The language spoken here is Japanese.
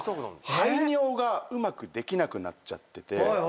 排尿がうまくできなくなっちゃってて。